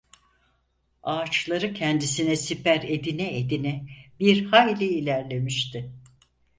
Ağaçları kendisine siper edine edine bir hayli ilerlemişti.